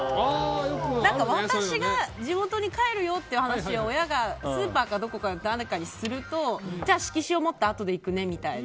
私が地元に帰るよっていう話を親がスーパーかどこかで誰かにするとじゃあ色紙を持ってあとで行くねみたいな。